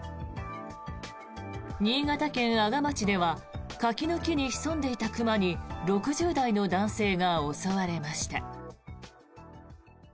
新潟県阿賀町では柿の木に潜んでいた熊に６０代の男性が襲われました。